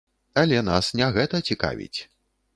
Але нас не гэта цікавіць.